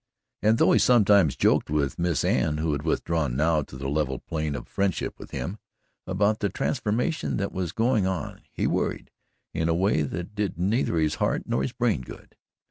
And though he sometimes joked with Miss Anne, who had withdrawn now to the level plane of friendship with him, about the transformation that was going on, he worried in a way that did neither his heart nor his brain good.